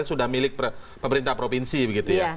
sudah milik pemerintah provinsi begitu ya